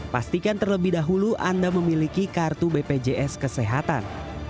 pastikan terlebih dahulu anda memiliki kartu bpjs kesehatan